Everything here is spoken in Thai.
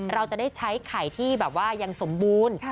เราจะได้ใช้ไข่ที่แบบว่ายังสมบูรณ์